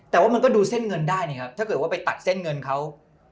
แต่ว่ามันก็ดูเส้นเงินได้นะครับถ้าเกิดว่าไปตัดเส้นเงินเขา